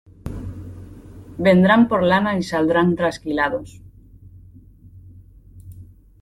Vendrán por lana y saldrán trasquilados.